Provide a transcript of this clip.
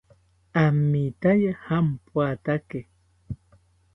Amitaye jampoatake